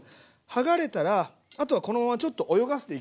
はがれたらあとはこのままちょっと泳がせていきます。